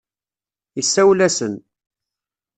Isawel-asen.